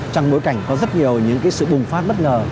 trong bối cảnh có rất nhiều những sự bùng phát bất ngờ